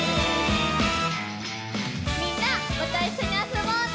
みんなまたいっしょにあそぼうね！